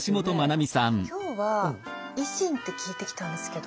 あっちょっと今日は維新って聞いてきたんですけど。